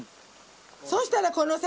そしたらこのさ。